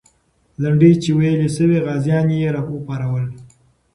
لنډۍ چې ویلې سوې، غازیان یې راوپارول.